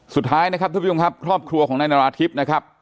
สุดท้ายนะครับทุกคนค่ะครอบครัวของนายนาราธิพย์นะครับ